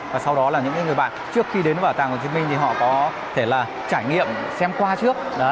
và sau đó là những người bạn trước khi đến bảo tàng hồ chí minh thì họ có thể là trải nghiệm xem qua trước